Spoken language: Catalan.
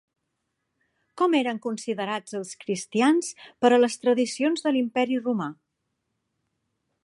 Com eren considerats els cristians per a les tradicions de l'Imperi Romà?